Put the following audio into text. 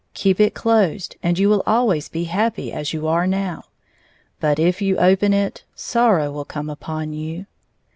Keep it closed, and you will always be happy as you now are. But if you open it, sorrow will come upon you."